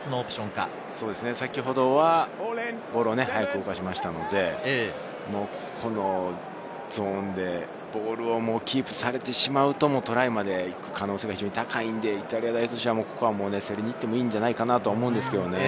先ほどはボールを速く動かしましたので、ここのゾーンで、ボールをキープされてしまうと、トライまで行く可能性が非常に高いので、イタリア代表としては競りに行ってもいいんじゃないかと思うんですけれどね。